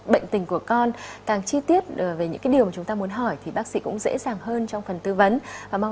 bệnh tình của con